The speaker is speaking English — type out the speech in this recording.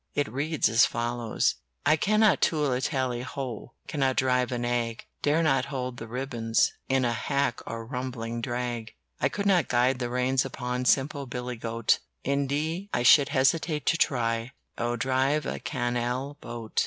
It reads as follows: "I cannot tool a tally ho, I cannot drive a nag; I dare not hold the ribbons On a hack or rumbling drag. "I could not guide the reins upon A simple billy goat, And I should hesitate to try To drive a can al boat.